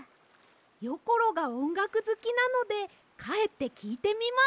よころがおんがくずきなのでかえってきいてみます！